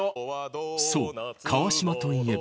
そう川島といえば